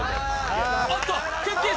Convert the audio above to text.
おっと、くっきー！